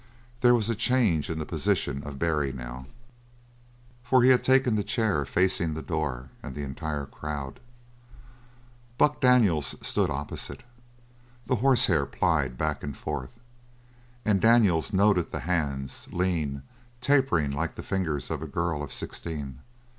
There was a change in the position of Barry now, for he had taken the chair facing the door and the entire crowd; Buck Daniels stood opposite. The horsehair plied back and forth. And Daniels noted the hands, lean, tapering like the fingers of a girl of sixteen.